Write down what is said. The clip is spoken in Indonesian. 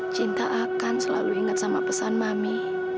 cinta akan selalu ingat sama pesan mami